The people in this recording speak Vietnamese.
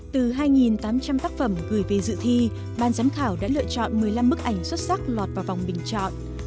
từ hai tám trăm linh tác phẩm gửi về dự thi ban giám khảo đã lựa chọn một mươi năm bức ảnh xuất sắc lọt vào vòng bình chọn